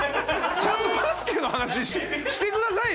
ちゃんとバスケの話してくださいよ。